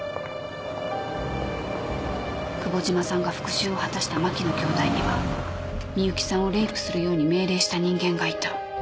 久保島さんが復讐を果たした牧野兄弟には深雪さんをレイプするように命令した人間がいた。